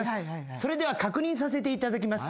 それでは確認させていただきます。